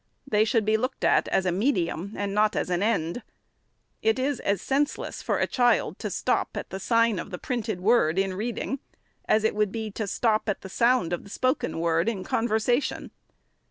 They should be looked at as a medium, and riot as an end. It is as senseless for a child to stop at the sign of the printed word, in reading, as it would be to stop at the sound of the spoken word, in conversation.